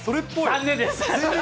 残念です。